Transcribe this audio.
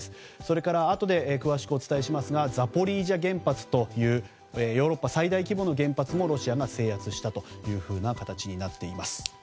それからあとで詳しくお伝えしますがザポリージャ原発というヨーロッパ最大規模の原発もロシアが制圧したというふうな形になっています。